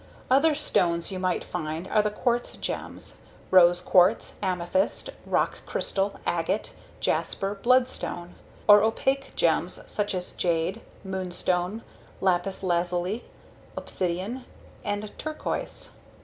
Other stones you might find are the quartz gems: rose quartz, amethyst, rock crystal, agate, jasper, bloodstone. Or opaque gems such as jade, moonstone, lapis lazuli, obsidian, and turquoise.